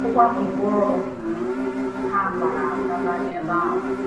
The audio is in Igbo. ma bukọrọ ngwaọrụ ha gbara gaba n'ebe ahụ